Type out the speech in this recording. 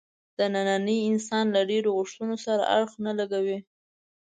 د ننني انسان له ډېرو غوښتنو سره اړخ نه لګوي.